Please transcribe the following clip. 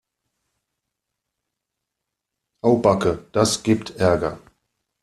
Au backe, das gibt Ärger.